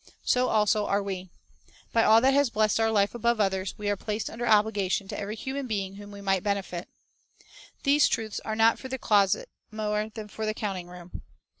"* So also are we. By all that has blessed our life above others, we are placed under obligation to every human being whom we might benefit. These truths are not for the closet more than for the counting room.